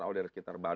atau di sekitar banten